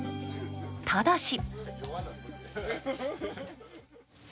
ただし。